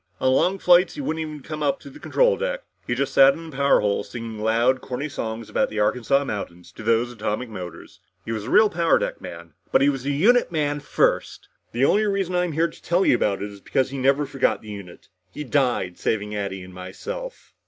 On long flights he wouldn't even come up to the control deck. He just sat in the power hole singing loud corny songs about the Arkansas mountains to those atomic motors. He was a real power deck man. But he was a unit man first! The only reason I'm here to tell you about it is because he never forgot the unit. He died saving Addy and myself."